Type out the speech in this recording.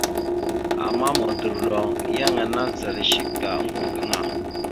Ama modorloŋ, yan ana zal shek ga oŋgo gaŋa.